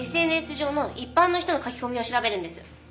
ＳＮＳ上の一般の人の書き込みを調べるんです。